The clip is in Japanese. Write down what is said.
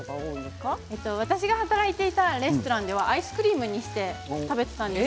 私が働いていたレストランではアイスクリームに使われていました。